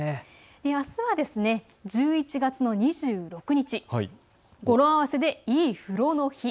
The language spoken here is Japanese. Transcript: あすは１１月の２６日、語呂合わせでイイフロの日。